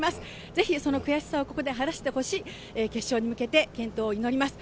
ぜひその悔しさをここで晴らしてほしい、決勝に向けて健闘を祈ります。